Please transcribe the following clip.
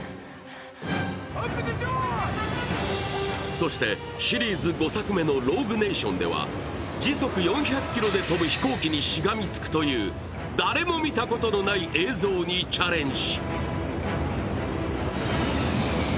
そしてシリーズ５作目の「ローグ・ネイション」では時速４００キロで飛ぶ飛行機にしがみつくという誰も見たことのない映像にチャレンジ。